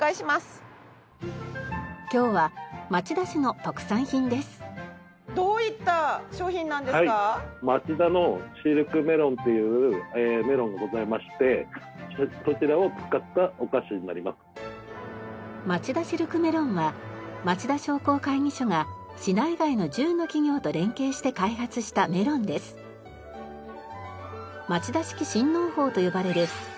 まちだシルクメロンは町田商工会議所が市内外の１０の企業と連携して開発したメロンです。